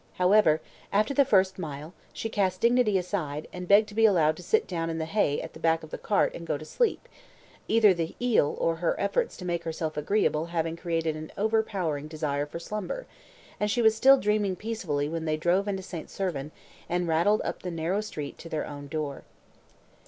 However, after the first mile, she cast dignity aside, and begged to be allowed to sit down in the hay at the back of the cart and go to sleep, either the eel or her efforts to make herself agreeable having created an overpowering desire for slumber, and she was still dreaming peacefully when they drove into St. Servan, and rattled up the narrow street to their own door.